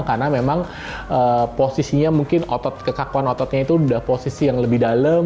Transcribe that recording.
karena memang posisinya mungkin otot kekakuan ototnya itu udah posisi yang lebih dalam